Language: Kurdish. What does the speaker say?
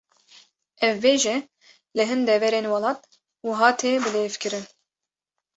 Ev bêje, li hin deverên welat wiha tê bilêvkirin